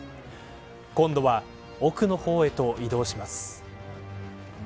今度は奥の方へと移動します。